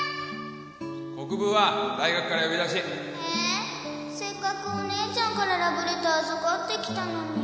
国府は大学から呼び出しせっかくお姉ちゃんからラブレター預かって来たのに